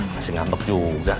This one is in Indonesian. masih ngambek juga